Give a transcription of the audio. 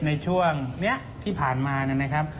ในช่วงนี้ที่ผ่านมานะครับ